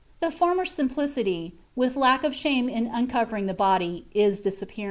The former simplicity, with lack of shame in uncovering the body, is disappearing."